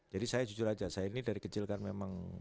jadi saya jujur aja saya ini dari kecil kan memang